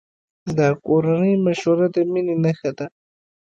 د کورنۍ مشوره د مینې نښه ده.